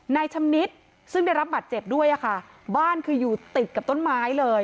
นายชำนิดซึ่งได้รับบัตรเจ็บด้วยอะค่ะบ้านคืออยู่ติดกับต้นไม้เลย